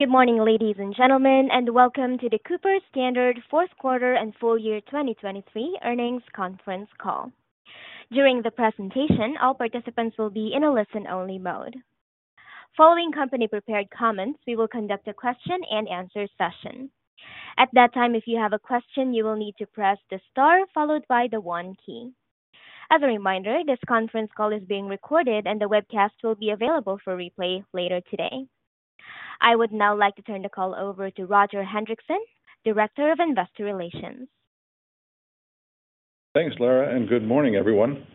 Good morning, ladies and gentlemen, and welcome to the Cooper Standard Q4 and full year 2023 earnings conference call. During the presentation, all participants will be in a listen-only mode. Following company-prepared comments, we will conduct a question-and-answer session. At that time, if you have a question, you will need to press the star followed by the 1 key. As a reminder, this conference call is being recorded, and the webcast will be available for replay later today. I would now like to turn the call over to Roger Hendriksen, Director of Investor Relations. Thanks, Lara, and good morning, everyone.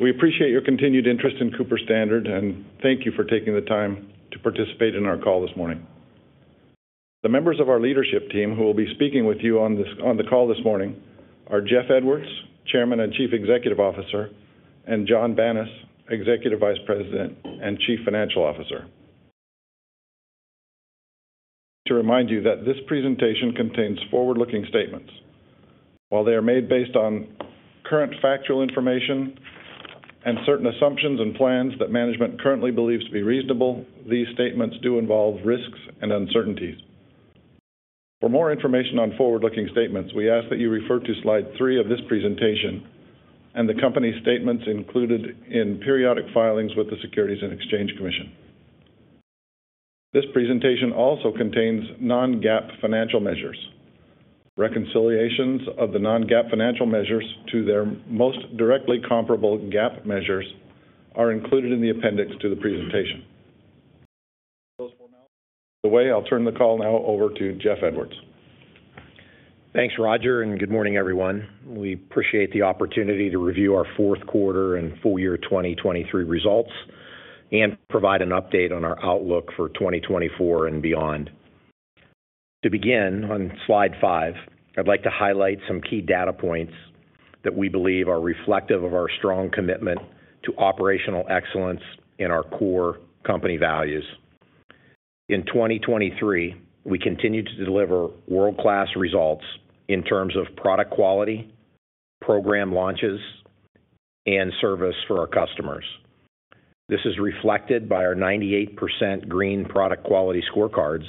We appreciate your continued interest in Cooper Standard, and thank you for taking the time to participate in our call this morning. The members of our leadership team who will be speaking with you on the call this morning are Jeffrey Edwards, Chairman and Chief Executive Officer, and Jonathan Banas, Executive Vice President and Chief Financial Officer. To remind you that this presentation contains forward-looking statements. While they are made based on current factual information and certain assumptions and plans that management currently believes to be reasonable, these statements do involve risks and uncertainties. For more information on forward-looking statements, we ask that you refer to slide 3 of this presentation and the company statements included in periodic filings with the Securities and Exchange Commission. This presentation also contains non-GAAP financial measures. Reconciliations of the non-GAAP financial measures to their most directly comparable GAAP measures are included in the appendix to the presentation. By the way, I'll turn the call now over to Jeff Edwards. Thanks, Roger, and good morning, everyone. We appreciate the opportunity to review our Q4 and full year 2023 results and provide an update on our outlook for 2024 and beyond. To begin, on slide 5, I'd like to highlight some key data points that we believe are reflective of our strong commitment to operational excellence in our core company values. In 2023, we continue to deliver world-class results in terms of product quality, program launches, and service for our customers. This is reflected by our 98% green product quality scorecards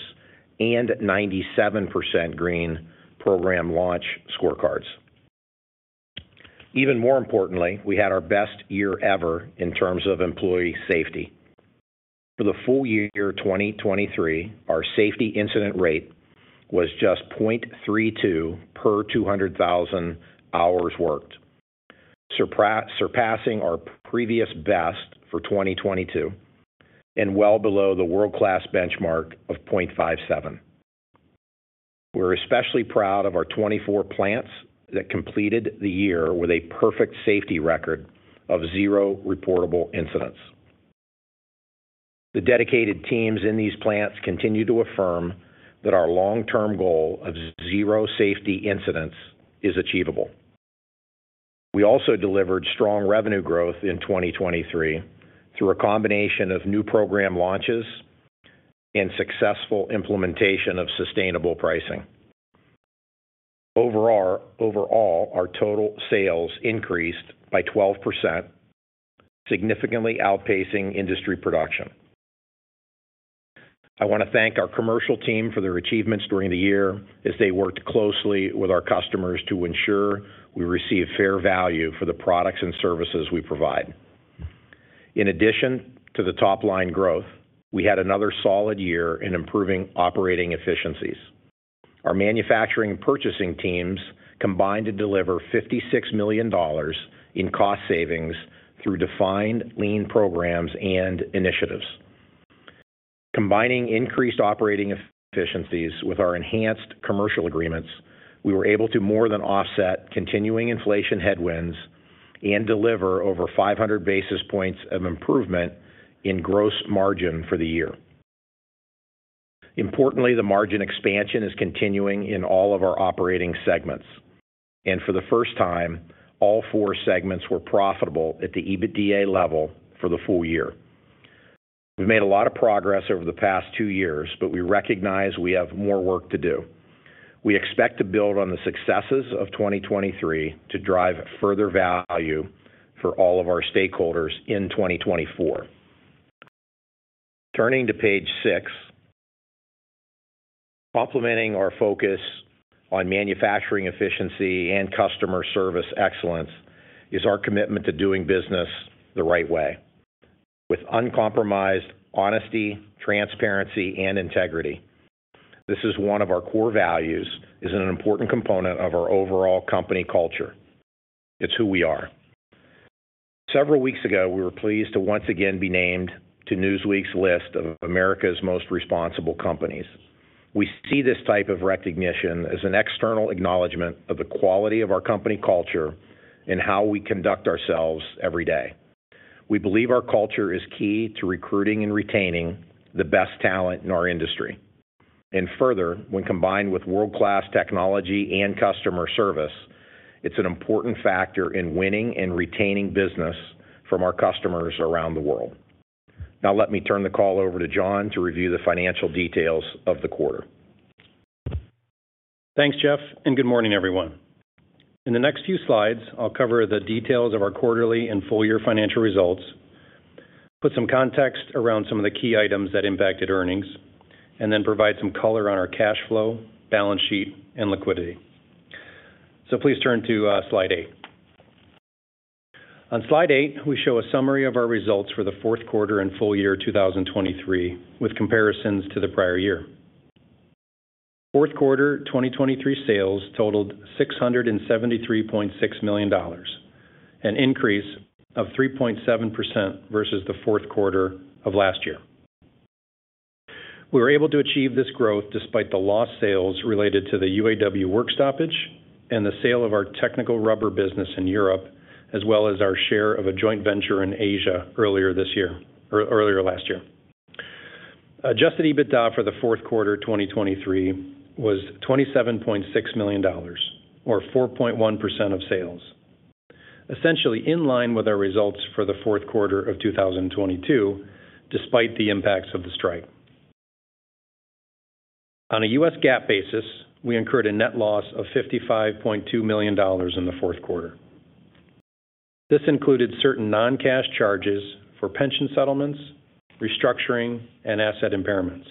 and 97% green program launch scorecards. Even more importantly, we had our best year ever in terms of employee safety. For the full year 2023, our safety incident rate was just 0.32 per 200,000 hours worked, surpassing our previous best for 2022 and well below the world-class benchmark of 0.57. We're especially proud of our 24 plants that completed the year with a perfect safety record of 0 reportable incidents. The dedicated teams in these plants continue to affirm that our long-term goal of 0 safety incidents is achievable. We also delivered strong revenue growth in 2023 through a combination of new program launches and successful implementation of sustainable pricing. Overall, our total sales increased by 12%, significantly outpacing industry production. I want to thank our commercial team for their achievements during the year as they worked closely with our customers to ensure we receive fair value for the products and services we provide. In addition to the top-line growth, we had another solid year in improving operating efficiencies. Our manufacturing and purchasing teams combined to deliver $56 million in cost savings through defined lean programs and initiatives. Combining increased operating efficiencies with our enhanced commercial agreements, we were able to more than offset continuing inflation headwinds and deliver over 500 basis points of improvement in gross margin for the year. Importantly, the margin expansion is continuing in all of our operating segments, and for the first time, all four segments were profitable at the EBITDA level for the full year. We've made a lot of progress over the past two years, but we recognize we have more work to do. We expect to build on the successes of 2023 to drive further value for all of our stakeholders in 2024. Turning to page 6, complementing our focus on manufacturing efficiency and customer service excellence is our commitment to doing business the right way. With uncompromised honesty, transparency, and integrity, this is one of our core values, is an important component of our overall company culture. It's who we are. Several weeks ago, we were pleased to once again be named to Newsweek's list of America's Most Responsible Companies. We see this type of recognition as an external acknowledgment of the quality of our company culture and how we conduct ourselves every day. We believe our culture is key to recruiting and retaining the best talent in our industry. Further, when combined with world-class technology and customer service, it's an important factor in winning and retaining business from our customers around the world. Now let me turn the call over to Jon to review the financial details of the quarter. Thanks, Jeff, and good morning, everyone. In the next few slides, I'll cover the details of our quarterly and full year financial results, put some context around some of the key items that impacted earnings, and then provide some color on our cash flow, balance sheet, and liquidity. So please turn to slide 8. On slide 8, we show a summary of our results for the fourth quarter and full year 2023 with comparisons to the prior year. Q4 2023 sales totaled $673.6 million, an increase of 3.7% versus the Q4 of last year. We were able to achieve this growth despite the lost sales related to the UAW work stoppage and the sale of our technical rubber business in Europe, as well as our share of a joint venture in Asia earlier last year. Adjusted EBITDA for the Q4 2023 was $27.6 million, or 4.1% of sales, essentially in line with our results for the fourth quarter of 2022 despite the impacts of the strike. On a U.S. GAAP basis, we incurred a net loss of $55.2 million in the Q4. This included certain non-cash charges for pension settlements, restructuring, and asset impairments.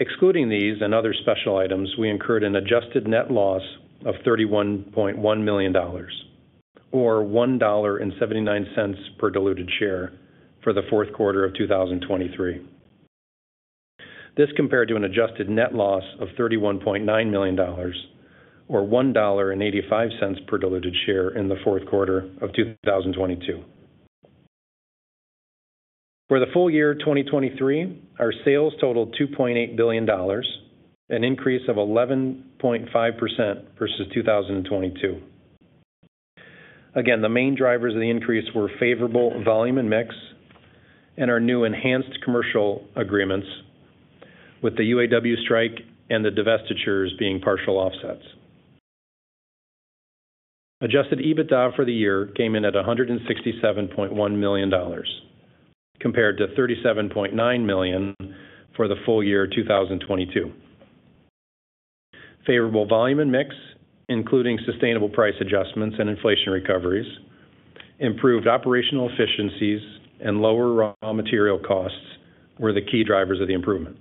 Excluding these and other special items, we incurred an adjusted net loss of $31.1 million, or $1.79 per diluted share for the fourth quarter of 2023. This compared to an adjusted net loss of $31.9 million, or $1.85 per diluted share in the Q4 of 2022. For the full year 2023, our sales totaled $2.8 billion, an increase of 11.5% versus 2022. Again, the main drivers of the increase were favorable volume and mix and our new enhanced commercial agreements, with the UAW strike and the divestitures being partial offsets. Adjusted EBITDA for the year came in at $167.1 million compared to $37.9 million for the full year 2022. Favorable volume and mix, including sustainable price adjustments and inflation recoveries, improved operational efficiencies, and lower raw material costs, were the key drivers of the improvement.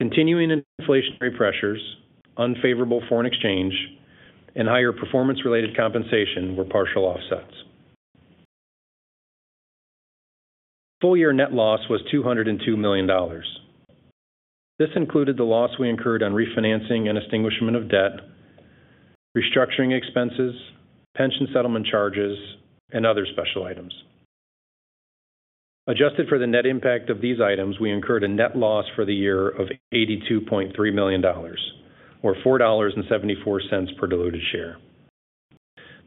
Continuing inflationary pressures, unfavorable foreign exchange, and higher performance-related compensation were partial offsets. Full year net loss was $202 million. This included the loss we incurred on refinancing and extinguishment of debt, restructuring expenses, pension settlement charges, and other special items. Adjusted for the net impact of these items, we incurred a net loss for the year of $82.3 million, or $4.74 per diluted share.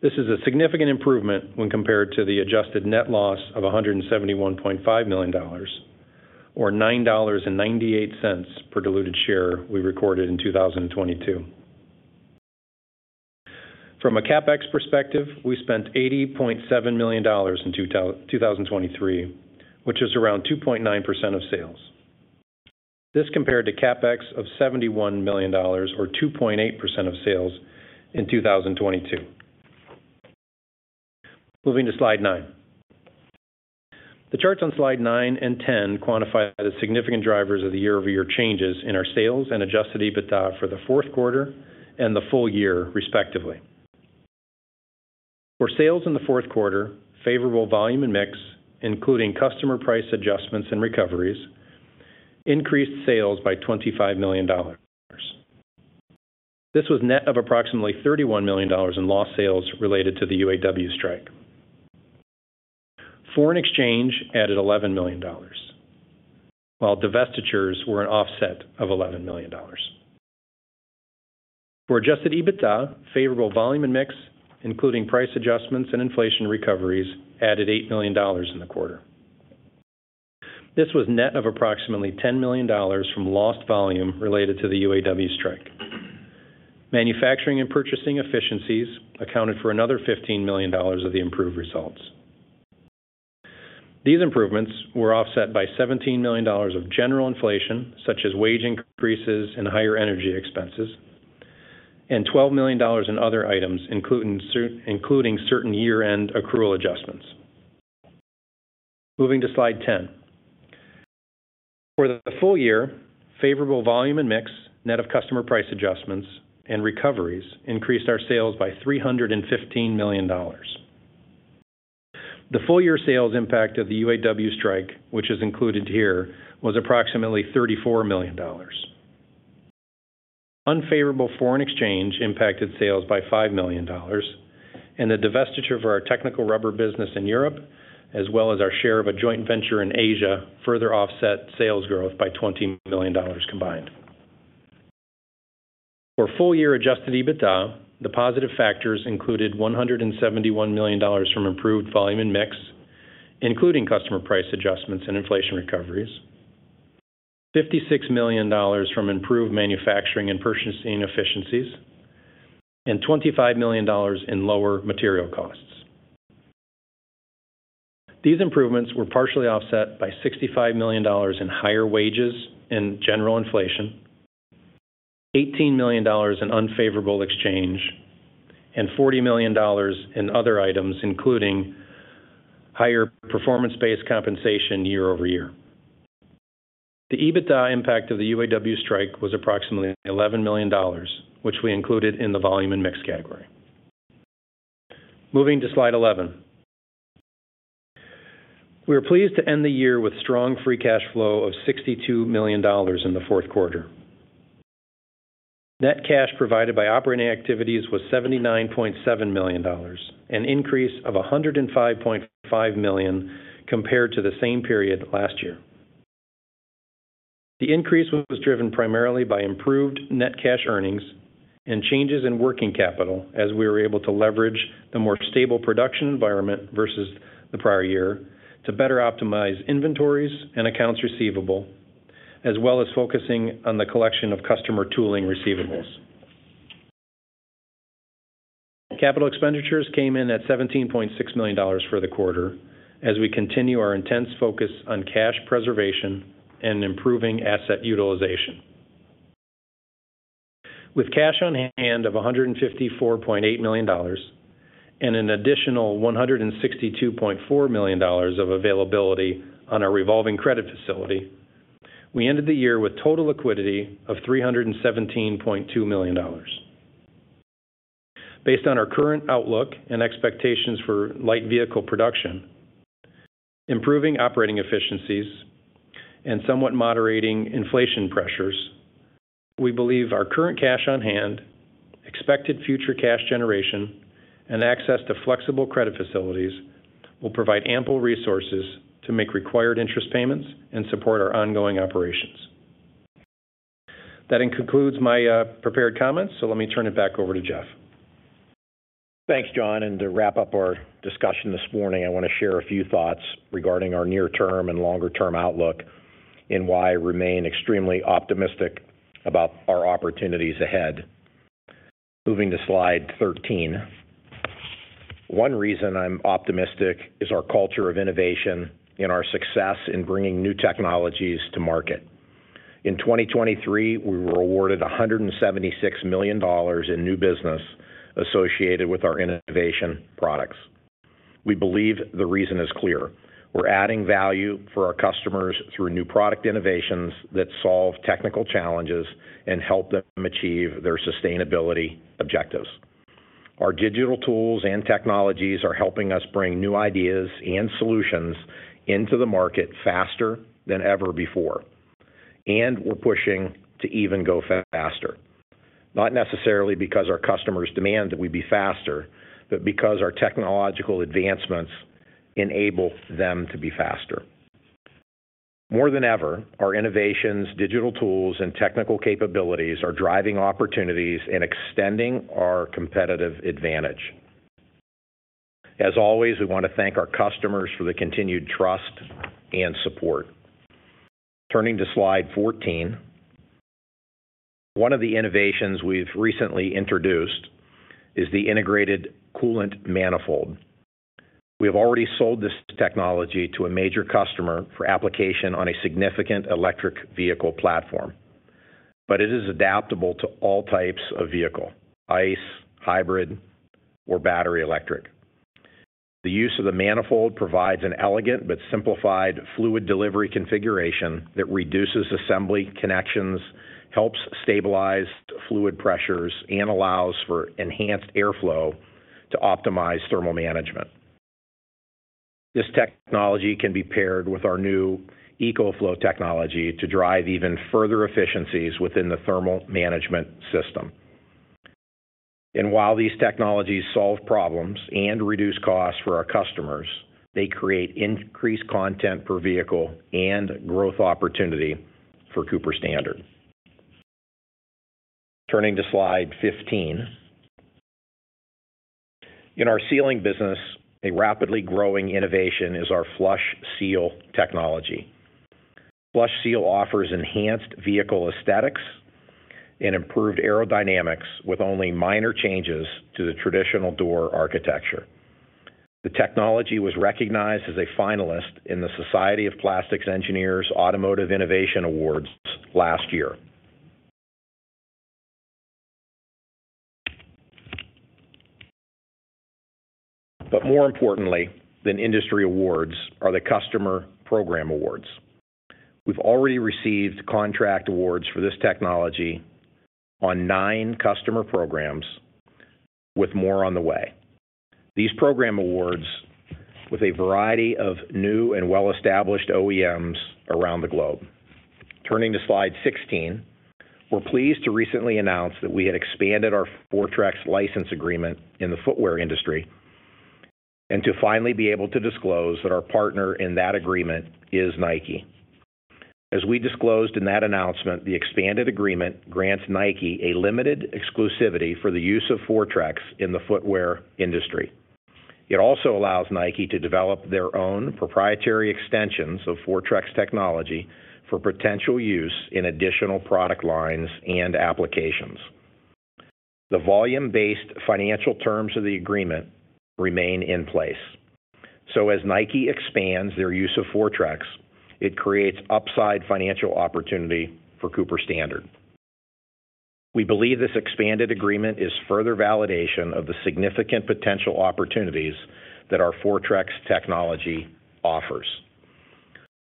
This is a significant improvement when compared to the adjusted net loss of $171.5 million, or $9.98 per diluted share we recorded in 2022. From a CapEx perspective, we spent $80.7 million in 2023, which is around 2.9% of sales. This compared to CapEx of $71 million, or 2.8% of sales, in 2022. Moving to slide 9. The charts on slide 9 and 10 quantify the significant drivers of the year-over-year changes in our sales and Adjusted EBITDA for the Q4 and the full year, respectively. For sales in the Q4, favorable volume and mix, including customer price adjustments and recoveries, increased sales by $25 million. This was net of approximately $31 million in lost sales related to the UAW strike. Foreign exchange added $11 million, while divestitures were an offset of $11 million. For Adjusted EBITDA, favorable volume and mix, including price adjustments and inflation recoveries, added $8 million in the quarter. This was net of approximately $10 million from lost volume related to the UAW strike. Manufacturing and purchasing efficiencies accounted for another $15 million of the improved results. These improvements were offset by $17 million of general inflation, such as wage increases and higher energy expenses, and $12 million in other items, including certain year-end accrual adjustments. Moving to slide 10. For the full year, favorable volume and mix, net of customer price adjustments and recoveries, increased our sales by $315 million. The full year sales impact of the UAW strike, which is included here, was approximately $34 million. Unfavorable foreign exchange impacted sales by $5 million, and the divestiture for our technical rubber business in Europe, as well as our share of a joint venture in Asia, further offset sales growth by $20 million combined. For full-year Adjusted EBITDA, the positive factors included $171 million from improved volume and mix, including customer price adjustments and inflation recoveries, $56 million from improved manufacturing and purchasing efficiencies, and $25 million in lower material costs. These improvements were partially offset by $65 million in higher wages and general inflation, $18 million in unfavorable exchange, and $40 million in other items, including higher performance-based compensation year-over-year. The EBITDA impact of the UAW strike was approximately $11 million, which we included in the volume and mix category. Moving to slide 11. We were pleased to end the year with strong free cash flow of $62 million in the Q4. Net cash provided by operating activities was $79.7 million, an increase of $105.5 million compared to the same period last year. The increase was driven primarily by improved net cash earnings and changes in working capital, as we were able to leverage the more stable production environment versus the prior year to better optimize inventories and accounts receivable, as well as focusing on the collection of customer tooling receivables. Capital expenditures came in at $17.6 million for the quarter, as we continue our intense focus on cash preservation and improving asset utilization. With cash on hand of $154.8 million and an additional $162.4 million of availability on our revolving credit facility, we ended the year with total liquidity of $317.2 million. Based on our current outlook and expectations for light vehicle production, improving operating efficiencies, and somewhat moderating inflation pressures, we believe our current cash on hand, expected future cash generation, and access to flexible credit facilities will provide ample resources to make required interest payments and support our ongoing operations. That concludes my prepared comments, so let me turn it back over to Jeff. Thanks, Jon. And to wrap up our discussion this morning, I want to share a few thoughts regarding our near-term and longer-term outlook and why I remain extremely optimistic about our opportunities ahead. Moving to slide 13. One reason I'm optimistic is our culture of innovation and our success in bringing new technologies to market. In 2023, we were awarded $176 million in new business associated with our innovation products. We believe the reason is clear. We're adding value for our customers through new product innovations that solve technical challenges and help them achieve their sustainability objectives. Our digital tools and technologies are helping us bring new ideas and solutions into the market faster than ever before, and we're pushing to even go faster, not necessarily because our customers demand that we be faster, but because our technological advancements enable them to be faster. More than ever, our innovations, digital tools, and technical capabilities are driving opportunities and extending our competitive advantage. As always, we want to thank our customers for the continued trust and support. Turning to slide 14. One of the innovations we've recently introduced is the Integrated Coolant Manifold. We have already sold this technology to a major customer for application on a significant electric vehicle platform, but it is adaptable to all types of vehicle: ICE, hybrid, or battery electric. The use of the manifold provides an elegant but simplified fluid delivery configuration that reduces assembly connections, helps stabilize fluid pressures, and allows for enhanced airflow to optimize thermal management. This technology can be paired with our new eCoFlow technology to drive even further efficiencies within the thermal management system. While these technologies solve problems and reduce costs for our customers, they create increased content per vehicle and growth opportunity for Cooper Standard. Turning to slide 15. In our sealing business, a rapidly growing innovation is our FlushSeal technology. FlushSeal offers enhanced vehicle aesthetics and improved aerodynamics with only minor changes to the traditional door architecture. The technology was recognized as a finalist in the Society of Plastics Engineers Automotive Innovation Awards last year. But more importantly than industry awards are the customer program awards. We've already received contract awards for this technology on nine customer programs, with more on the way. These program awards. With a variety of new and well-established OEMs around the globe. Turning to slide 16. We're pleased to recently announce that we had expanded our Fortrex license agreement in the footwear industry and to finally be able to disclose that our partner in that agreement is Nike. As we disclosed in that announcement, the expanded agreement grants Nike a limited exclusivity for the use of Fortrex in the footwear industry. It also allows Nike to develop their own proprietary extensions of Fortrex technology for potential use in additional product lines and applications. The volume-based financial terms of the agreement remain in place. So as Nike expands their use of Fortrex, it creates upside financial opportunity for Cooper Standard. We believe this expanded agreement is further validation of the significant potential opportunities that our Fortrex technology offers.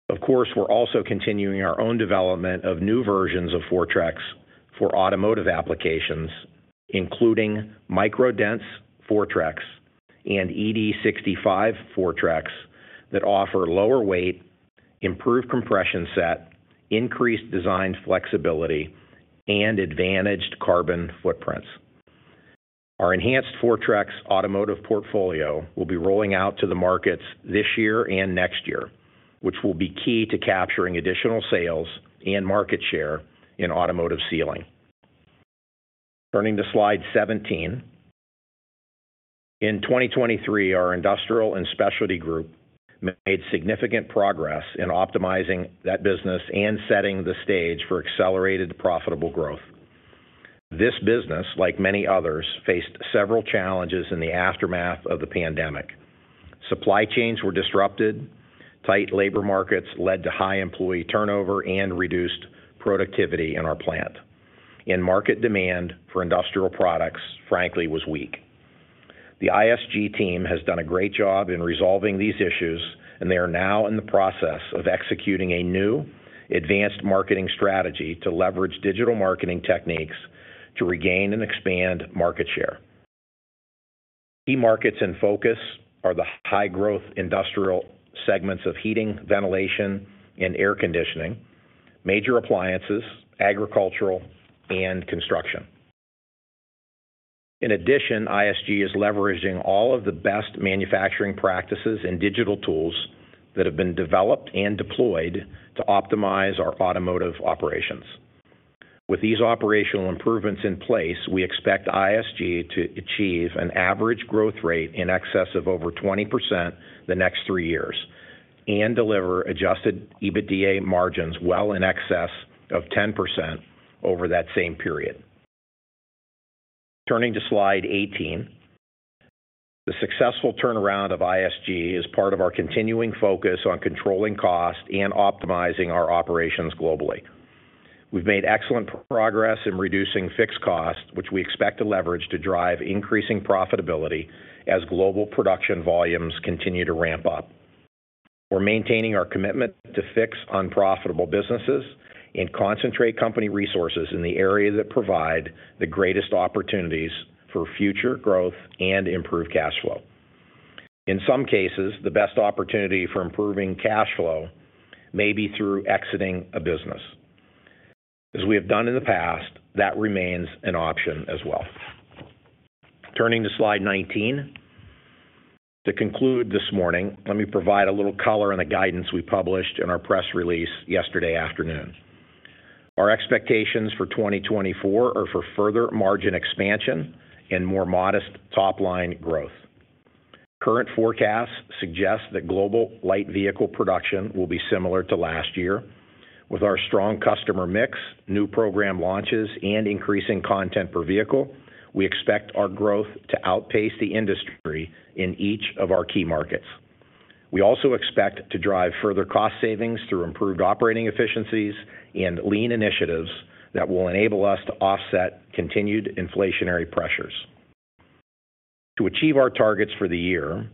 Of course, we're also continuing our own development of new versions of Fortrex for automotive applications, including Microdense Fortrex and ED65 Fortrex that offer lower weight, improved compression set, increased design flexibility, and advantaged carbon footprints. Our enhanced Fortrex automotive portfolio will be rolling out to the markets this year and next year, which will be key to capturing additional sales and market share in automotive sealing. Turning to slide 17. In 2023, our Industrial and Specialty Group made significant progress in optimizing that business and setting the stage for accelerated profitable growth. This business, like many others, faced several challenges in the aftermath of the pandemic. Supply chains were disrupted. Tight labor markets led to high employee turnover and reduced productivity in our plant, and market demand for industrial products, frankly, was weak. The ISG team has done a great job in resolving these issues, and they are now in the process of executing a new advanced marketing strategy to leverage digital marketing techniques to regain and expand market share. Key markets in focus are the high-growth industrial segments of heating, ventilation, and air conditioning, major appliances, agricultural, and construction. In addition, ISG is leveraging all of the best manufacturing practices and digital tools that have been developed and deployed to optimize our automotive operations. With these operational improvements in place, we expect ISG to achieve an average growth rate in excess of over 20% the next three years and deliver Adjusted EBITDA margins well in excess of 10% over that same period. Turning to slide 18. The successful turnaround of ISG is part of our continuing focus on controlling cost and optimizing our operations globally. We've made excellent progress in reducing fixed costs, which we expect to leverage to drive increasing profitability as global production volumes continue to ramp up. We're maintaining our commitment to fix unprofitable businesses and concentrate company resources in the area that provide the greatest opportunities for future growth and improved cash flow. In some cases, the best opportunity for improving cash flow may be through exiting a business. As we have done in the past, that remains an option as well. Turning to slide 19. To conclude this morning, let me provide a little color on the guidance we published in our press release yesterday afternoon. Our expectations for 2024 are for further margin expansion and more modest top-line growth. Current forecasts suggest that global light vehicle production will be similar to last year. With our strong customer mix, new program launches, and increasing content per vehicle, we expect our growth to outpace the industry in each of our key markets. We also expect to drive further cost savings through improved operating efficiencies and lean initiatives that will enable us to offset continued inflationary pressures. To achieve our targets for the year,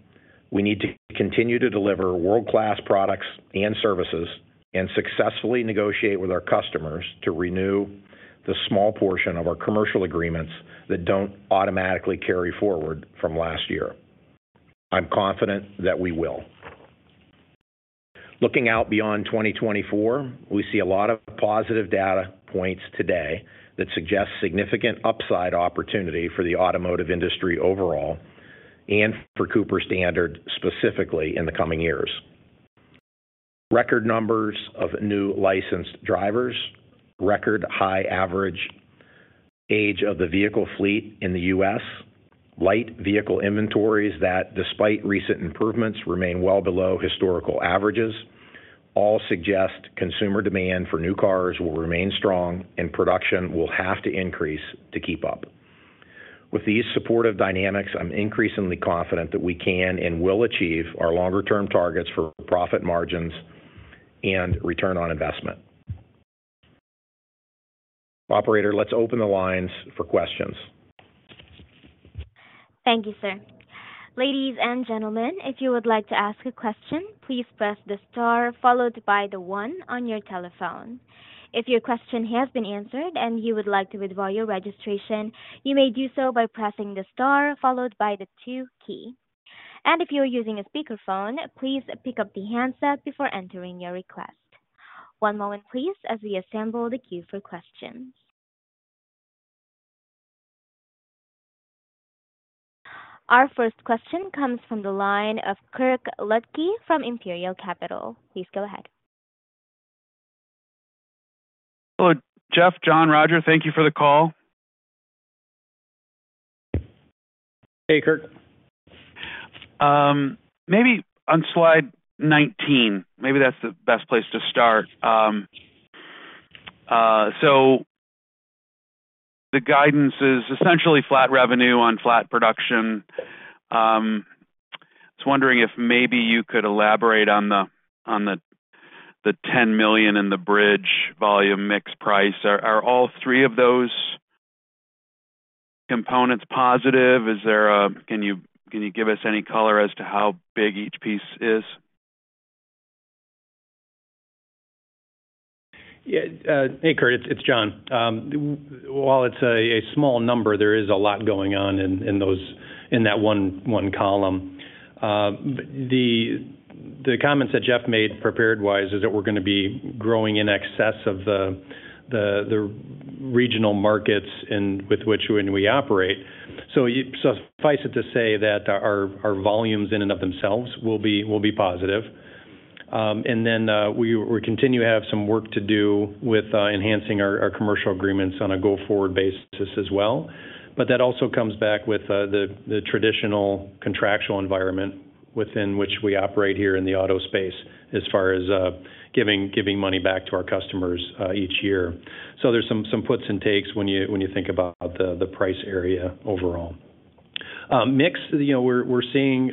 we need to continue to deliver world-class products and services and successfully negotiate with our customers to renew the small portion of our commercial agreements that don't automatically carry forward from last year. I'm confident that we will. Looking out beyond 2024, we see a lot of positive data points today that suggest significant upside opportunity for the automotive industry overall and for Cooper-Standard specifically in the coming years. Record numbers of new licensed drivers, record high average age of the vehicle fleet in the U.S., light vehicle inventories that, despite recent improvements, remain well below historical averages, all suggest consumer demand for new cars will remain strong and production will have to increase to keep up. With these supportive dynamics, I'm increasingly confident that we can and will achieve our longer-term targets for profit margins and return on investment. Operator, let's open the lines for questions. Thank you, sir. Ladies and gentlemen, if you would like to ask a question, please press the star followed by the one on your telephone. If your question has been answered and you would like to withdraw your registration, you may do so by pressing the star followed by the two key. If you are using a speakerphone, please pick up the handset before entering your request. One moment, please, as we assemble the queue for questions. Our first question comes from the line of Kirk Ludtke from Imperial Capital. Please go ahead. Hello, Jeff, Jon Banas. Thank you for the call. Hey, Kirk. Maybe on slide 19. Maybe that's the best place to start. So the guidance is essentially flat revenue on flat production. I was wondering if maybe you could elaborate on the $10 million and the bridge volume mix price. Are all three of those components positive? Can you give us any color as to how big each piece is? Yeah. Hey, Kirk, it's Jon. While it's a small number, there is a lot going on in that one column. The comments that Jeff made, prepared-wise, is that we're going to be growing in excess of the regional markets with which we operate. So suffice it to say that our volumes in and of themselves will be positive. And then we continue to have some work to do with enhancing our commercial agreements on a go-forward basis as well. But that also comes back with the traditional contractual environment within which we operate here in the auto space as far as giving money back to our customers each year. So there's some puts and takes when you think about the price area overall. Mix, we're seeing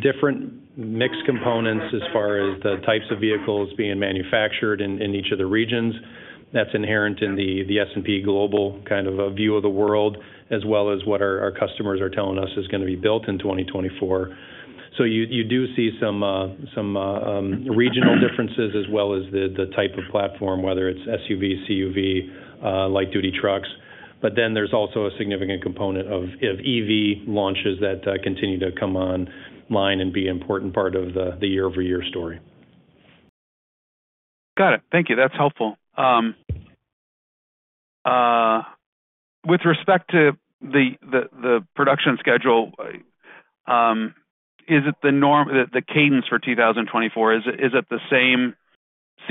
different mix components as far as the types of vehicles being manufactured in each of the regions. That's inherent in the S&P Global kind of view of the world as well as what our customers are telling us is going to be built in 2024. So you do see some regional differences as well as the type of platform, whether it's SUV, CUV, light-duty trucks. But then there's also a significant component of EV launches that continue to come online and be an important part of the year-over-year story. Got it. Thank you. That's helpful. With respect to the production schedule, is it the cadence for 2024? Is it the same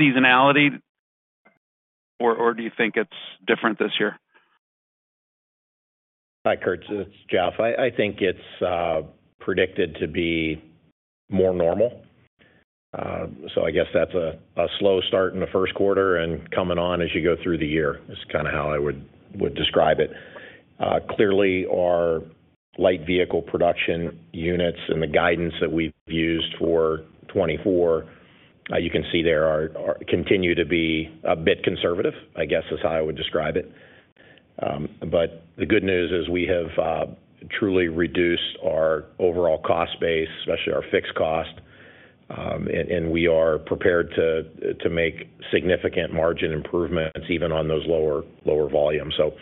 seasonality, or do you think it's different this year? Hi, Kirk. It's Jeff. I think it's predicted to be more normal. So I guess that's a slow start in the first quarter and coming on as you go through the year is kind of how I would describe it. Clearly, our light vehicle production units and the guidance that we've used for 2024, you can see there continue to be a bit conservative, I guess is how I would describe it. But the good news is we have truly reduced our overall cost base, especially our fixed cost. And we are prepared to make significant margin improvements even on those lower volumes. So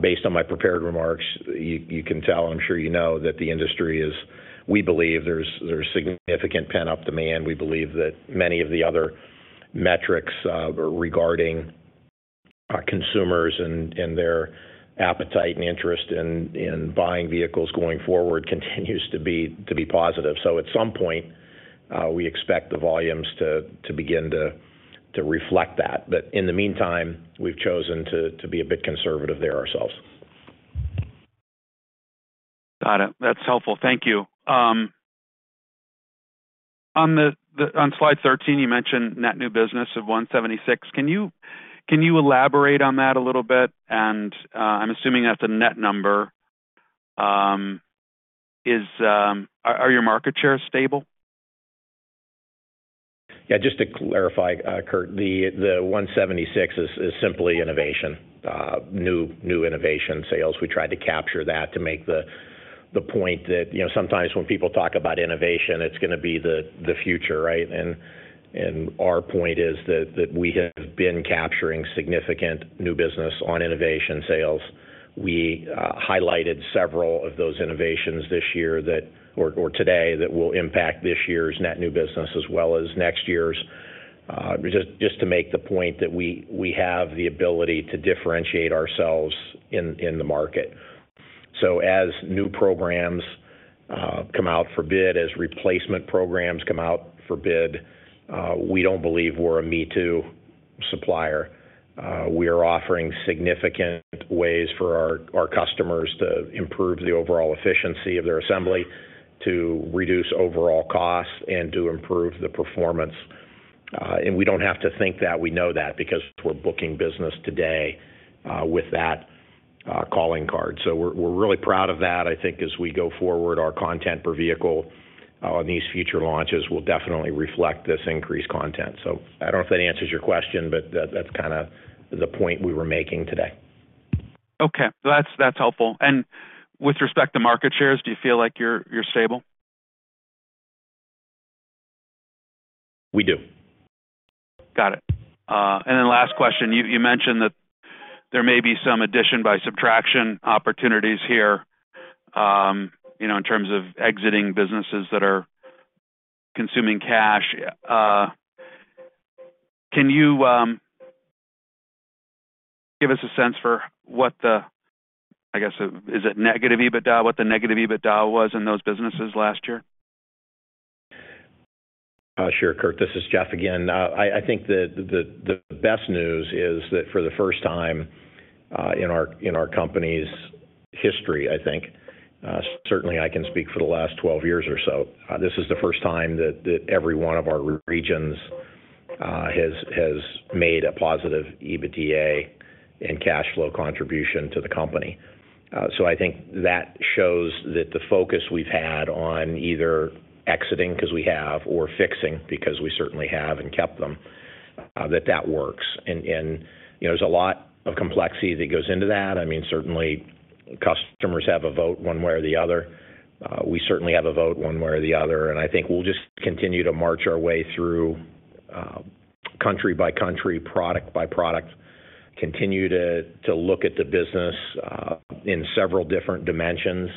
based on my prepared remarks, you can tell, and I'm sure you know, that the industry is, we believe, there's significant pent-up demand. We believe that many of the other metrics regarding consumers and their appetite and interest in buying vehicles going forward continues to be positive. So at some point, we expect the volumes to begin to reflect that. But in the meantime, we've chosen to be a bit conservative there ourselves. Got it. That's helpful. Thank you. On slide 13, you mentioned net new business of 176. Can you elaborate on that a little bit? And I'm assuming that's a net number. Are your market shares stable? Yeah. Just to clarify, Kirk, the $176 is simply innovation, new innovation sales. We tried to capture that to make the point that sometimes when people talk about innovation, it's going to be the future, right? And our point is that we have been capturing significant new business on innovation sales. We highlighted several of those innovations this year or today that will impact this year's net new business as well as next year's, just to make the point that we have the ability to differentiate ourselves in the market. So as new programs come out for bid, as replacement programs come out for bid, we don't believe we're a me-too supplier. We are offering significant ways for our customers to improve the overall efficiency of their assembly, to reduce overall cost, and to improve the performance. And we don't have to think that. We know that because we're booking business today with that calling card. So we're really proud of that. I think as we go forward, our content per vehicle on these future launches will definitely reflect this increased content. So I don't know if that answers your question, but that's kind of the point we were making today. Okay. That's helpful. With respect to market shares, do you feel like you're stable? We do. Got it. And then last question. You mentioned that there may be some addition-by-subtraction opportunities here in terms of exiting businesses that are consuming cash. Can you give us a sense for what the, I guess, is it negative EBITDA? What the negative EBITDA was in those businesses last year? Sure, Kirk. This is Jeff again. I think the best news is that for the first time in our company's history, I think certainly, I can speak for the last 12 years or so, this is the first time that every one of our regions has made a positive EBITDA and cash flow contribution to the company. So I think that shows that the focus we've had on either exiting because we have or fixing because we certainly have and kept them, that that works. And there's a lot of complexity that goes into that. I mean, certainly, customers have a vote one way or the other. We certainly have a vote one way or the other. I think we'll just continue to march our way through country by country, product by product, continue to look at the business in several different dimensions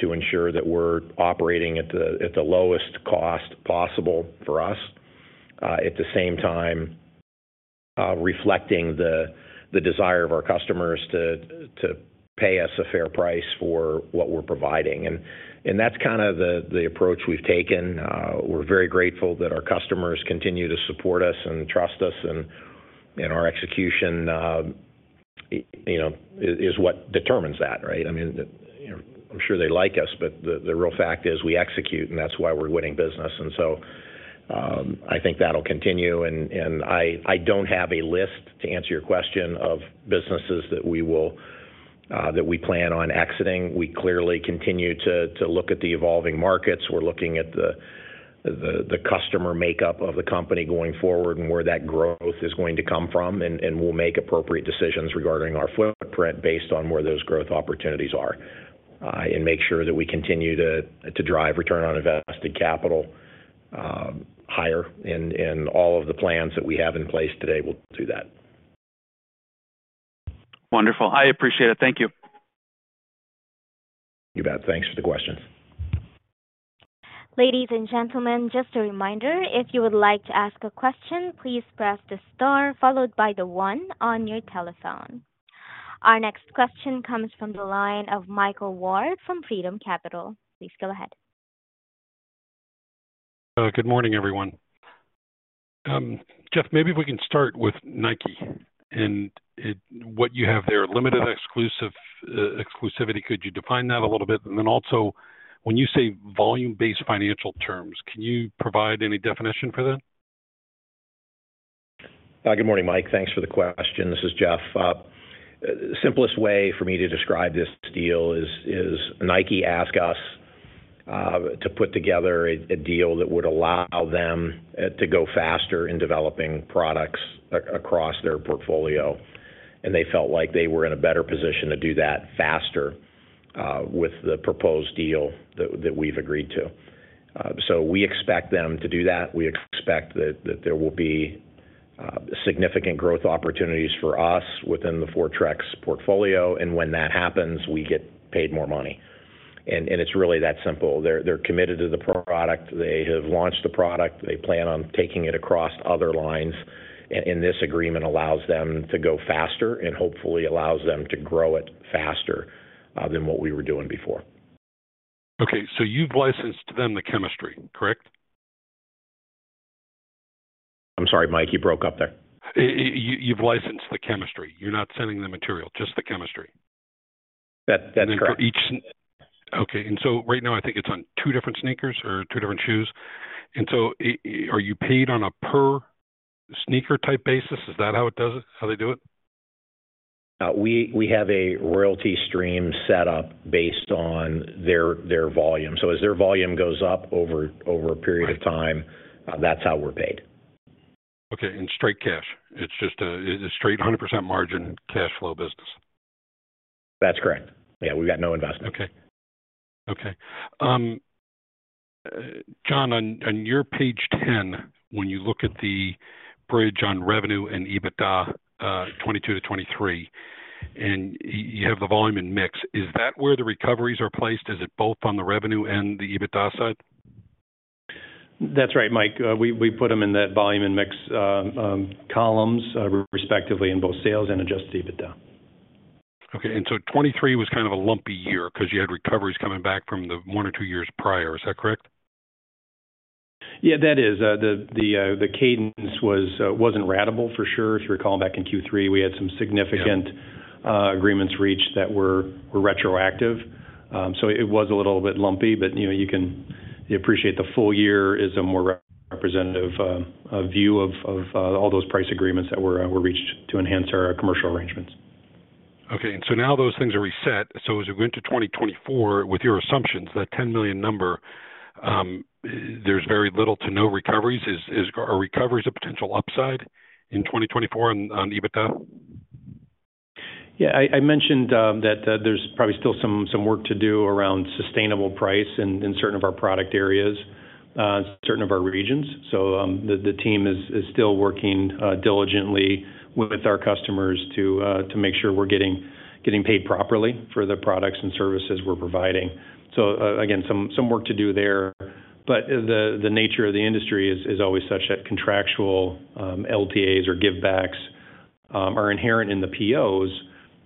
to ensure that we're operating at the lowest cost possible for us, at the same time reflecting the desire of our customers to pay us a fair price for what we're providing. That's kind of the approach we've taken. We're very grateful that our customers continue to support us and trust us. Our execution is what determines that, right? I mean, I'm sure they like us. The real fact is we execute. That's why we're winning business. So I think that'll continue. I don't have a list, to answer your question, of businesses that we plan on exiting. We clearly continue to look at the evolving markets. We're looking at the customer makeup of the company going forward and where that growth is going to come from. We'll make appropriate decisions regarding our footprint based on where those growth opportunities are and make sure that we continue to drive return on invested capital higher. All of the plans that we have in place today will do that. Wonderful. I appreciate it. Thank you. You bet. Thanks for the questions. Ladies and gentlemen, just a reminder, if you would like to ask a question, please press the star followed by the one on your telephone. Our next question comes from the line of Michael Ward from Freedom Capital. Please go ahead. Good morning, everyone. Jeff, maybe if we can start with Nike and what you have there, limited exclusivity, could you define that a little bit? And then also, when you say volume-based financial terms, can you provide any definition for that? Good morning, Mike. Thanks for the question. This is Jeff. The simplest way for me to describe this deal is Nike asked us to put together a deal that would allow them to go faster in developing products across their portfolio. And they felt like they were in a better position to do that faster with the proposed deal that we've agreed to. So we expect them to do that. We expect that there will be significant growth opportunities for us within the Fortrex portfolio. And when that happens, we get paid more money. And it's really that simple. They're committed to the product. They have launched the product. They plan on taking it across other lines. And this agreement allows them to go faster and hopefully allows them to grow it faster than what we were doing before. Okay. So you've licensed them the chemistry, correct? I'm sorry, Mike. You broke up there. You've licensed the chemistry. You're not sending the material, just the chemistry. That's correct. And for each, okay. And so right now, I think it's on two different sneakers or two different shoes. And so are you paid on a per-sneaker type basis? Is that how it does it, how they do it? We have a royalty stream set up based on their volume. So as their volume goes up over a period of time, that's how we're paid. Okay. And straight cash? It's just a straight 100% margin cash flow business? That's correct. Yeah. We've got no investment. Okay. Okay. Jon, on your page 10, when you look at the bridge on revenue and EBITDA 2022 to 2023 and you have the volume and mix, is that where the recoveries are placed? Is it both on the revenue and the EBITDA side? That's right, Mike. We put them in that volume and mix columns, respectively, in both sales and Adjusted EBITDA. Okay. 2023 was kind of a lumpy year because you had recoveries coming back from the one or two years prior. Is that correct? Yeah, that is. The cadence wasn't ratable, for sure. If you recall, back in Q3, we had some significant agreements reached that were retroactive. So it was a little bit lumpy. But you can appreciate the full year is a more representative view of all those price agreements that were reached to enhance our commercial arrangements. Okay. Now those things are reset. As we go into 2024, with your assumptions, that $10 million number, there's very little to no recoveries. Are recoveries a potential upside in 2024 on EBITDA? Yeah. I mentioned that there's probably still some work to do around sustainable price in certain of our product areas, certain of our regions. So the team is still working diligently with our customers to make sure we're getting paid properly for the products and services we're providing. So again, some work to do there. But the nature of the industry is always such that contractual LTAs or give-backs are inherent in the POs.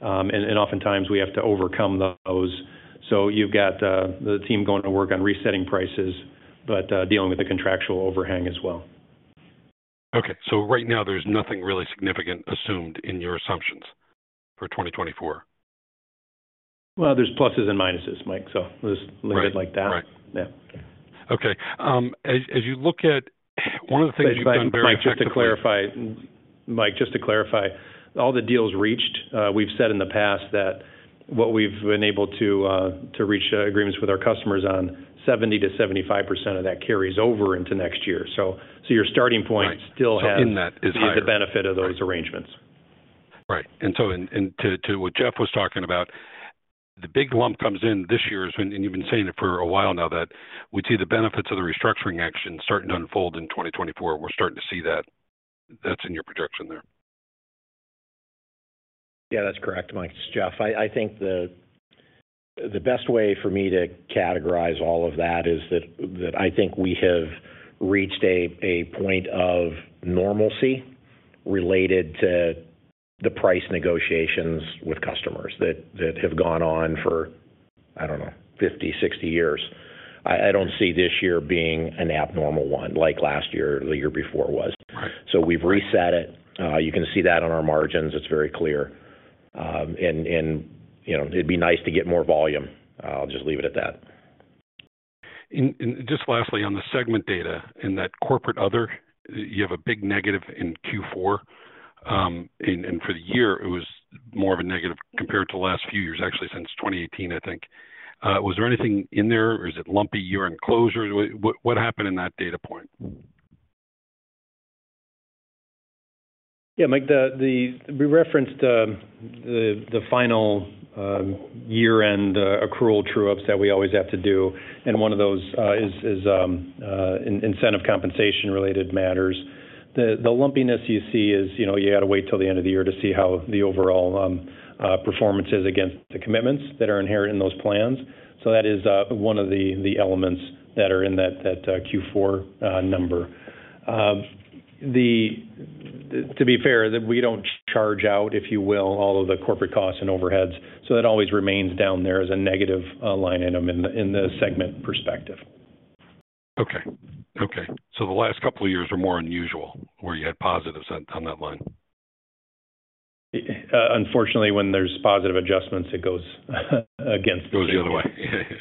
And oftentimes, we have to overcome those. So you've got the team going to work on resetting prices but dealing with the contractual overhang as well. Okay. So right now, there's nothing really significant assumed in your assumptions for 2024? Well, there's pluses and minuses, Mike. So let's leave it like that. Yeah. Right. Okay. As you look at one of the things you've done very well. Mike, just to clarify, all the deals reached, we've said in the past that what we've been able to reach agreements with our customers on, 70%-75% of that carries over into next year. So your starting point still has. Right. So in that is high. Is the benefit of those arrangements? Right. So what Jeff was talking about, the big lump comes in this year, is when—and you've been saying it for a while now—that we'd see the benefits of the restructuring action starting to unfold in 2024. We're starting to see that. That's in your projection there? Yeah, that's correct, Mike. It's Jeff. I think the best way for me to categorize all of that is that I think we have reached a point of normalcy related to the price negotiations with customers that have gone on for, I don't know, 50, 60 years. I don't see this year being an abnormal one like last year or the year before was. So we've reset it. You can see that on our margins. It's very clear. And it'd be nice to get more volume. I'll just leave it at that. Just lastly, on the segment data and that corporate other, you have a big negative in Q4. For the year, it was more of a negative compared to last few years, actually, since 2018, I think. Was there anything in there? Is it lumpy year-end closure? What happened in that data point? Yeah, Mike, we referenced the final year-end accrual true-ups that we always have to do. And one of those is incentive compensation-related matters. The lumpiness you see is you got to wait till the end of the year to see how the overall performance is against the commitments that are inherent in those plans. So that is one of the elements that are in that Q4 number. To be fair, we don't charge out, if you will, all of the corporate costs and overheads. So that always remains down there as a negative line item in the segment perspective. Okay. Okay. So the last couple of years were more unusual where you had positives on that line? Unfortunately, when there's positive adjustments, it goes against the. Goes the other way.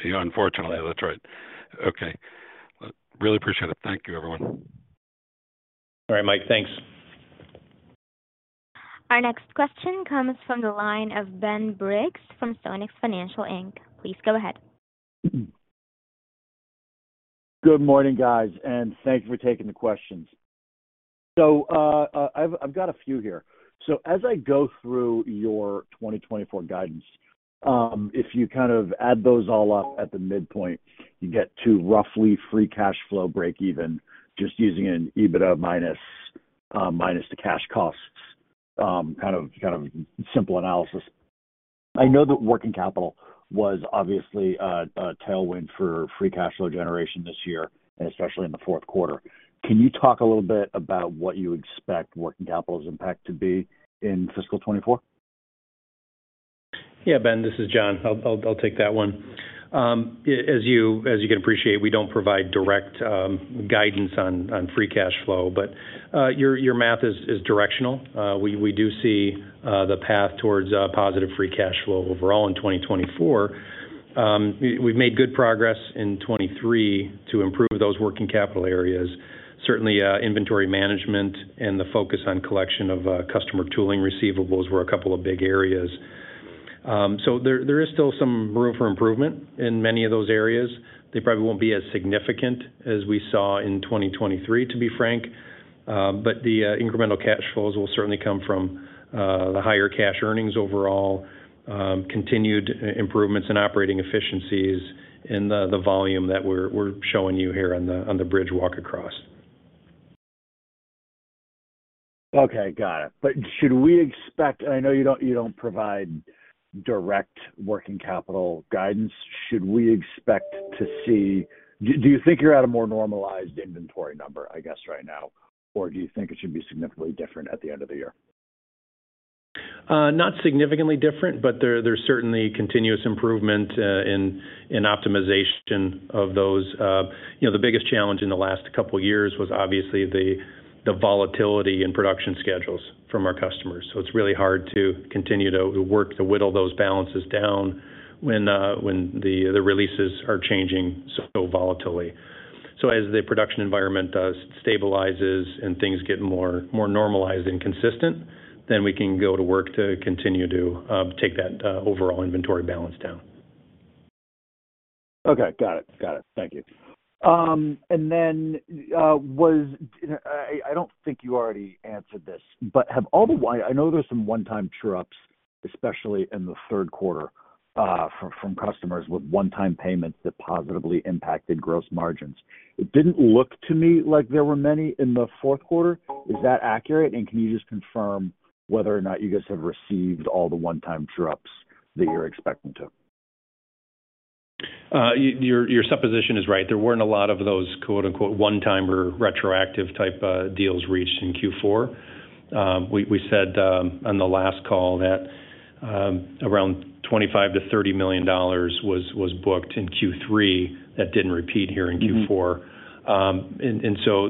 Yeah, unfortunately. That's right. Okay. Really appreciate it. Thank you, everyone. All right, Mike. Thanks. Our next question comes from the line of Ben Briggs from Beach Point Capital. Please go ahead. Good morning, guys. Thank you for taking the questions. I've got a few here. As I go through your 2024 guidance, if you kind of add those all up at the midpoint, you get to roughly free cash flow break-even just using an EBITDA minus the cash costs, kind of simple analysis. I know that working capital was obviously a tailwind for free cash flow generation this year, and especially in the fourth quarter. Can you talk a little bit about what you expect working capital's impact to be in fiscal 2024? Yeah, Ben. This is Jon. I'll take that one. As you can appreciate, we don't provide direct guidance on free cash flow. But your math is directional. We do see the path towards positive free cash flow overall in 2024. We've made good progress in 2023 to improve those working capital areas. Certainly, inventory management and the focus on collection of customer tooling receivables were a couple of big areas. So there is still some room for improvement in many of those areas. They probably won't be as significant as we saw in 2023, to be frank. But the incremental cash flows will certainly come from the higher cash earnings overall, continued improvements in operating efficiencies, and the volume that we're showing you here on the bridge walk across. Okay. Got it. But should we expect, and I know you don't provide direct working capital guidance. Should we expect to see, do you think, you're at a more normalized inventory number, I guess, right now? Or do you think it should be significantly different at the end of the year? Not significantly different. But there's certainly continuous improvement in optimization of those. The biggest challenge in the last couple of years was obviously the volatility in production schedules from our customers. So it's really hard to continue to work to whittle those balances down when the releases are changing so volatilely. So as the production environment stabilizes and things get more normalized and consistent, then we can go to work to continue to take that overall inventory balance down. Okay. Got it. Got it. Thank you. And then, I don't think you already answered this. But have all the, I know there's some one-time true-ups, especially in the third quarter, from customers with one-time payments that positively impacted gross margins. It didn't look to me like there were many in the fourth quarter. Is that accurate? And can you just confirm whether or not you guys have received all the one-time true-ups that you're expecting to? Your supposition is right. There weren't a lot of those "one-time" or "retroactive" type deals reached in Q4. We said on the last call that around $25-$30 million was booked in Q3 that didn't repeat here in Q4. And so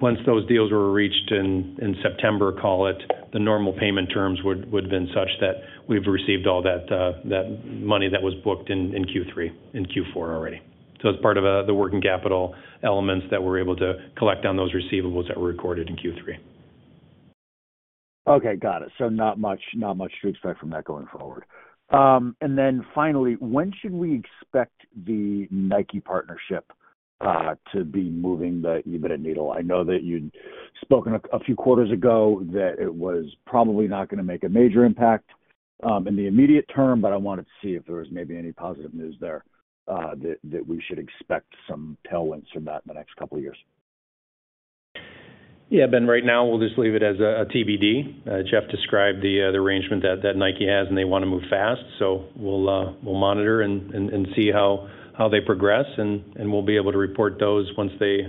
once those deals were reached in September, call it, the normal payment terms would have been such that we've received all that money that was booked in Q3, in Q4 already. So it's part of the working capital elements that we're able to collect on those receivables that were recorded in Q3. Okay. Got it. So not much to expect from that going forward. And then finally, when should we expect the Nike partnership to be moving the EBITDA needle? I know that you'd spoken a few quarters ago that it was probably not going to make a major impact in the immediate term. But I wanted to see if there was maybe any positive news there that we should expect some tailwinds from that in the next couple of years. Yeah, Ben, right now, we'll just leave it as a TBD. Jeff described the arrangement that Nike has, and they want to move fast. So we'll monitor and see how they progress. And we'll be able to report those once they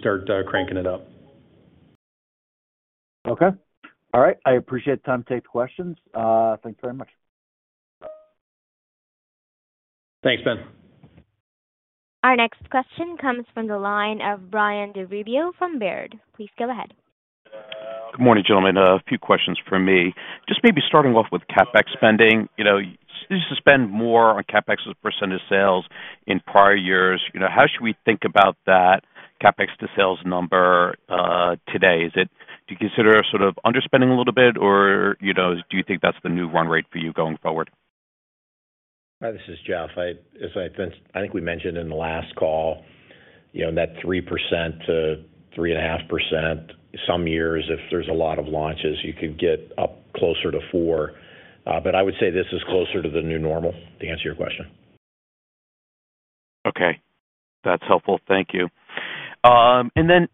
start cranking it up. Okay. All right. I appreciate the time to take the questions. Thanks very much. Thanks, Ben. Our next question comes from the line of Brian DiRubio from Baird. Please go ahead. Good morning, gentlemen. A few questions from me. Just maybe starting off with CapEx spending. You used to spend more on CapEx as a percentage of sales in prior years. How should we think about that CapEx to sales number today? Do you consider sort of underspending a little bit? Or do you think that's the new run rate for you going forward? Hi. This is Jeff. As I think we mentioned in the last call, that 3%-3.5%, some years, if there's a lot of launches, you could get up closer to 4. But I would say this is closer to the new normal, to answer your question. Okay. That's helpful. Thank you. And then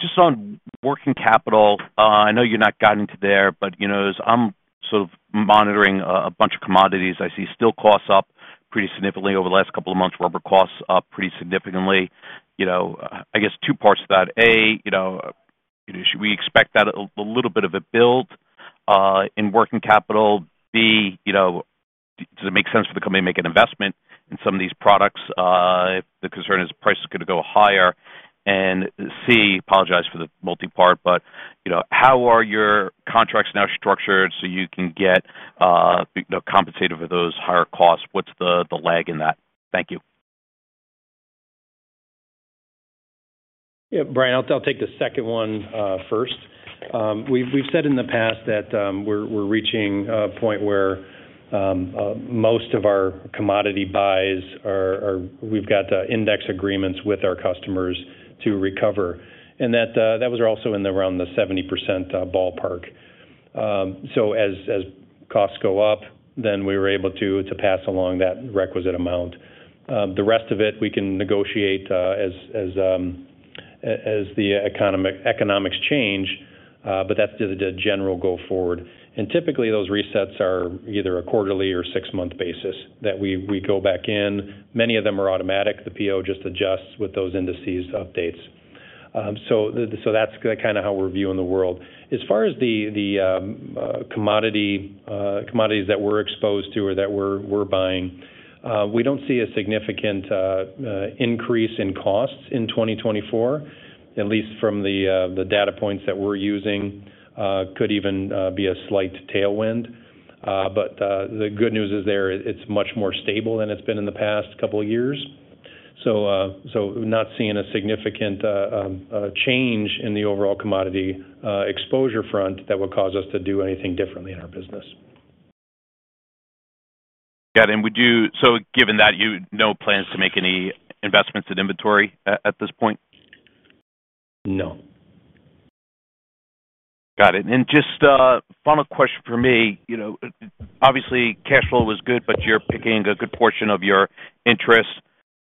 just on working capital, I know you're not gotten into there. But as I'm sort of monitoring a bunch of commodities, I see steel costs up pretty significantly over the last couple of months, rubber costs up pretty significantly. I guess two parts to that. A, should we expect that a little bit of a build in working capital? B, does it make sense for the company to make an investment in some of these products if the concern is the price is going to go higher? And C, apologize for the multi-part, but how are your contracts now structured so you can get compensated for those higher costs? What's the lag in that? Thank you. Yeah, Brian, I'll take the second one first. We've said in the past that we're reaching a point where most of our commodity buys, we've got index agreements with our customers to recover. And that was also around the 70% ballpark. So as costs go up, then we were able to pass along that requisite amount. The rest of it, we can negotiate as the economics change. But that's the general go forward. And typically, those resets are either a quarterly or six-month basis that we go back in. Many of them are automatic. The PO just adjusts with those indices updates. So that's kind of how we're viewing the world. As far as the commodities that we're exposed to or that we're buying, we don't see a significant increase in costs in 2024, at least from the data points that we're using. It could even be a slight tailwind. The good news is there. It's much more stable than it's been in the past couple of years. Not seeing a significant change in the overall commodity exposure front that would cause us to do anything differently in our business. Got it. And so given that, you have no plans to make any investments in inventory at this point? No. Got it. Just final question for me. Obviously, cash flow was good. But you're paying a good portion of your interest.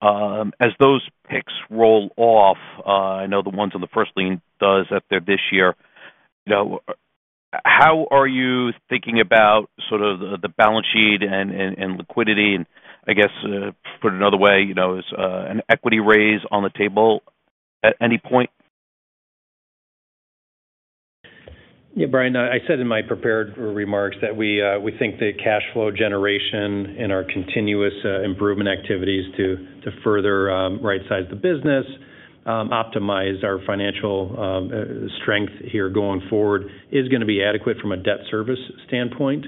As those payments roll off, I know the ones on the first lien debt are due this year. How are you thinking about sort of the balance sheet and liquidity? And I guess, put it another way, is an equity raise on the table at any point? Yeah, Brian, I said in my prepared remarks that we think the cash flow generation and our continuous improvement activities to further right-size the business, optimize our financial strength here going forward is going to be adequate from a debt service standpoint.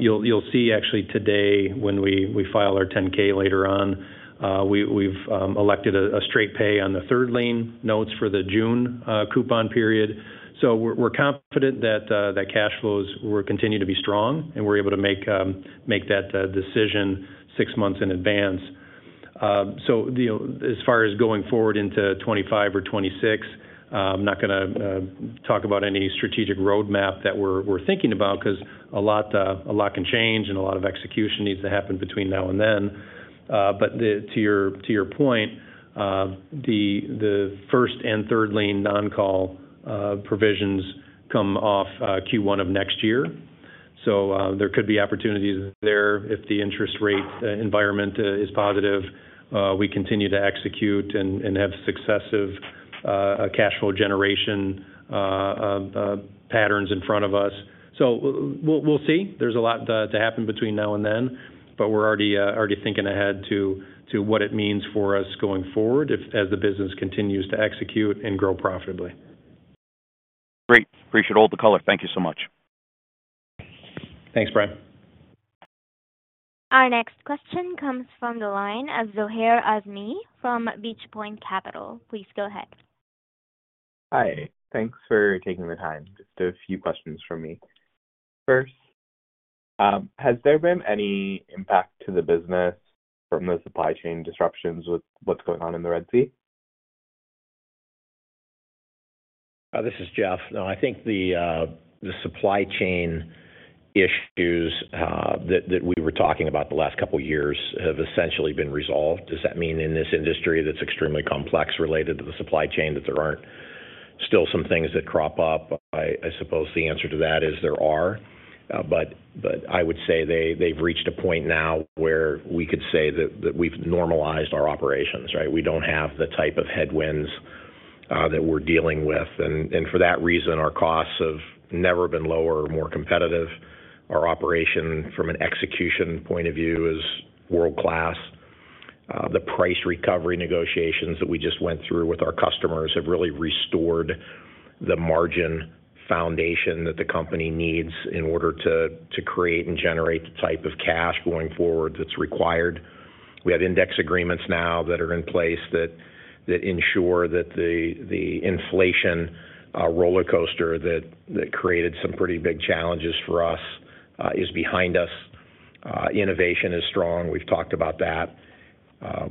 You'll see, actually, today when we file our 10-K later on, we've elected a straight pay on the third lien notes for the June coupon period. So we're confident that cash flows will continue to be strong. And we're able to make that decision 6 months in advance. So as far as going forward into 2025 or 2026, I'm not going to talk about any strategic roadmap that we're thinking about because a lot can change. And a lot of execution needs to happen between now and then. But to your point, the first and third lien non-call provisions come off Q1 of next year. So there could be opportunities there if the interest rate environment is positive. We continue to execute and have successive cash flow generation patterns in front of us. So we'll see. There's a lot to happen between now and then. But we're already thinking ahead to what it means for us going forward as the business continues to execute and grow profitably. Great. Appreciate all the color. Thank you so much. Thanks, Brian. Our next question comes from the line of Zohair Azmi from Beach Point Capital. Please go ahead. Hi. Thanks for taking the time. Just a few questions from me. First, has there been any impact to the business from the supply chain disruptions with what's going on in the Red Sea? This is Jeff. No, I think the supply chain issues that we were talking about the last couple of years have essentially been resolved. Does that mean in this industry that's extremely complex related to the supply chain that there aren't still some things that crop up? I suppose the answer to that is there are. But I would say they've reached a point now where we could say that we've normalized our operations, right? We don't have the type of headwinds that we're dealing with. And for that reason, our costs have never been lower. More competitive. Our operation, from an execution point of view, is world-class. The price recovery negotiations that we just went through with our customers have really restored the margin foundation that the company needs in order to create and generate the type of cash going forward that's required. We have index agreements now that are in place that ensure that the inflation roller coaster that created some pretty big challenges for us is behind us. Innovation is strong. We've talked about that.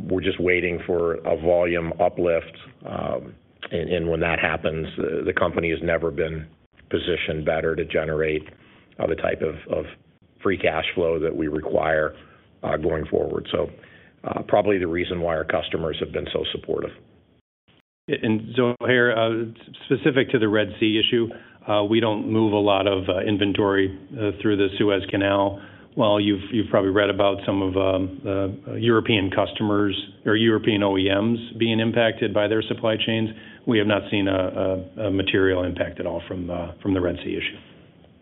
We're just waiting for a volume uplift. And when that happens, the company has never been positioned better to generate the type of Free Cash Flow that we require going forward. So probably the reason why our customers have been so supportive. Zoher, specific to the Red Sea issue, we don't move a lot of inventory through the Suez Canal. While you've probably read about some of the European customers or European OEMs being impacted by their supply chains, we have not seen a material impact at all from the Red Sea issue.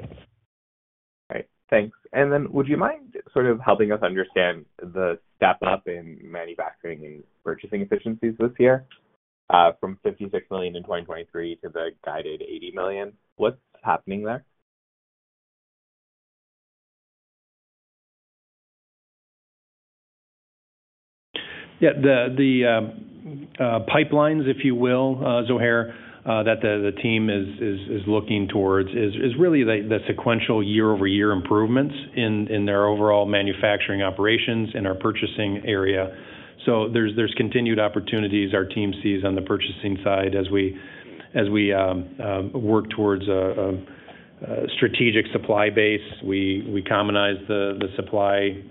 All right. Thanks. And then would you mind sort of helping us understand the step-up in manufacturing and purchasing efficiencies this year? From $56 million in 2023 to the guided $80 million, what's happening there? Yeah, the pipelines, if you will, Zoher, that the team is looking towards is really the sequential year-over-year improvements in their overall manufacturing operations in our purchasing area. So there's continued opportunities our team sees on the purchasing side as we work towards a strategic supply base. We commonize the supply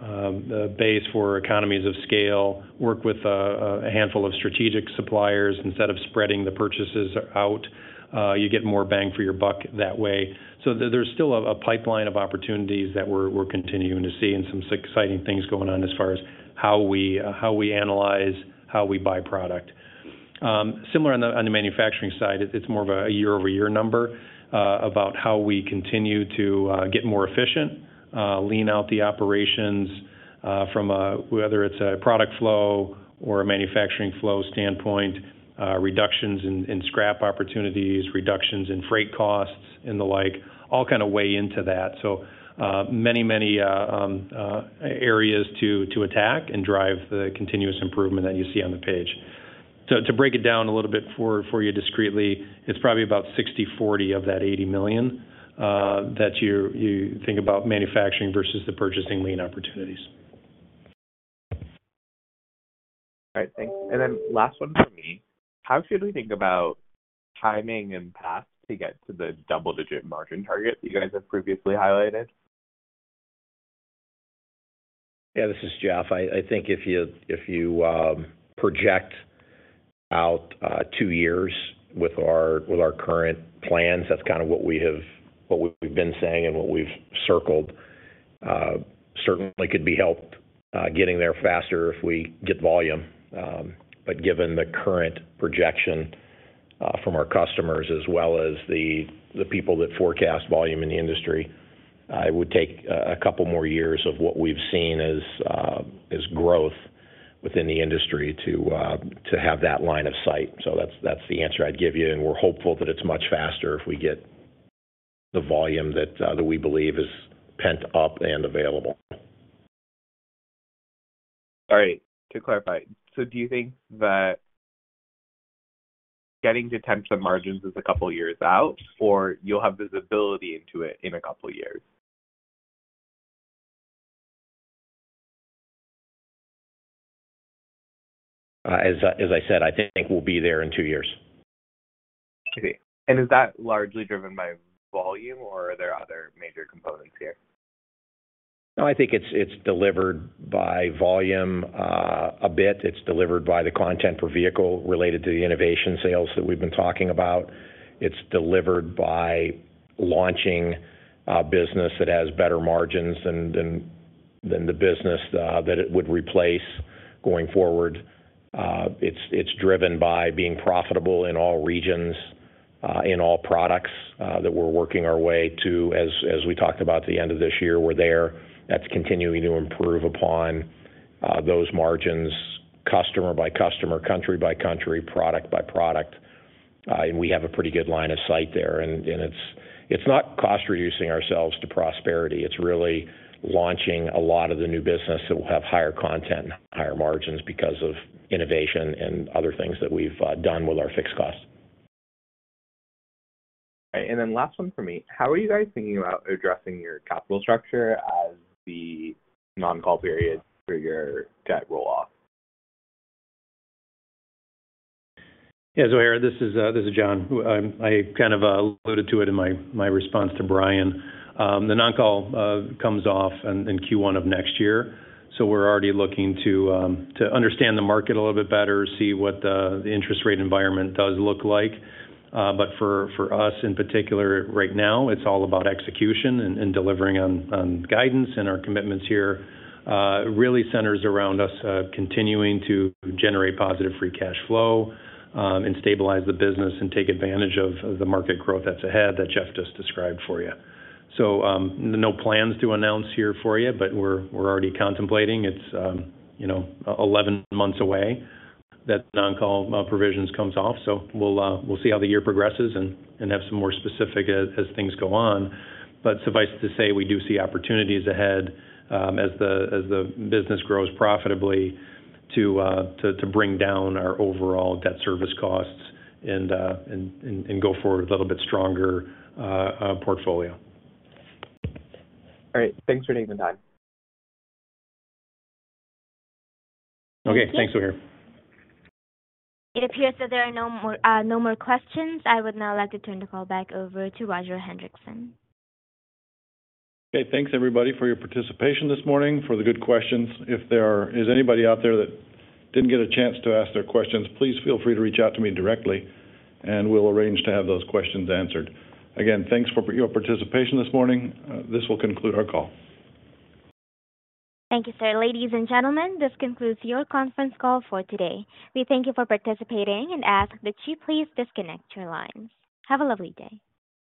base for economies of scale, work with a handful of strategic suppliers. Instead of spreading the purchases out, you get more bang for your buck that way. So there's still a pipeline of opportunities that we're continuing to see and some exciting things going on as far as how we analyze, how we buy product. Similar on the manufacturing side, it's more of a year-over-year number about how we continue to get more efficient, lean out the operations from whether it's a product flow or a manufacturing flow standpoint, reductions in scrap opportunities, reductions in freight costs, and the like, all kind of weigh into that. So many, many areas to attack and drive the continuous improvement that you see on the page. To break it down a little bit for you discretely, it's probably about 60/40 of that $80 million that you think about manufacturing versus the purchasing lean opportunities. All right. Thanks. And then last one from me. How should we think about timing and path to get to the double-digit margin target that you guys have previously highlighted? Yeah, this is Jeff. I think if you project out two years with our current plans, that's kind of what we've been saying and what we've circled. Certainly could be helped getting there faster if we get volume. But given the current projection from our customers, as well as the people that forecast volume in the industry, it would take a couple more years of what we've seen as growth within the industry to have that line of sight. So that's the answer I'd give you. And we're hopeful that it's much faster if we get the volume that we believe is pent up and available. All right. To clarify, so do you think that getting to touch the margins is a couple years out? Or you'll have visibility into it in a couple years? As I said, I think we'll be there in two years. I see. Is that largely driven by volume? Or are there other major components here? No, I think it's delivered by volume a bit. It's delivered by the content per vehicle related to the innovation sales that we've been talking about. It's delivered by launching a business that has better margins than the business that it would replace going forward. It's driven by being profitable in all regions, in all products that we're working our way to. As we talked about at the end of this year, we're there. That's continuing to improve upon those margins, customer by customer, country by country, product by product. We have a pretty good line of sight there. It's not cost-reducing ourselves to prosperity. It's really launching a lot of the new business that will have higher content and higher margins because of innovation and other things that we've done with our fixed costs. All right. And then last one from me. How are you guys thinking about addressing your capital structure as the non-call period for your debt roll-off? Yeah, Zoher, this is Jonathan. I kind of alluded to it in my response to Brian. The non-call comes off in Q1 of next year. So we're already looking to understand the market a little bit better, see what the interest rate environment does look like. But for us in particular, right now, it's all about execution and delivering on guidance. And our commitments here really center around us continuing to generate positive free cash flow and stabilize the business and take advantage of the market growth that's ahead that Jeff just described for you. So no plans to announce here for you. But we're already contemplating. It's 11 months away that the non-call provisions comes off. So we'll see how the year progresses and have some more specifics as things go on. Suffice it to say, we do see opportunities ahead as the business grows profitably to bring down our overall debt service costs and go forward with a little bit stronger portfolio. All right. Thanks for taking the time. Okay. Thanks, Zoher. It appears that there are no more questions. I would now like to turn the call back over to Roger Hendriksen. Okay. Thanks, everybody, for your participation this morning, for the good questions. If there is anybody out there that didn't get a chance to ask their questions, please feel free to reach out to me directly. We'll arrange to have those questions answered. Again, thanks for your participation this morning. This will conclude our call. Thank you, sir. Ladies and gentlemen, this concludes your conference call for today. We thank you for participating. Ask that you please disconnect your lines. Have a lovely day.